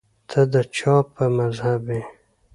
ته د چا په مذهب یې